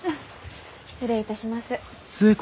失礼いたします。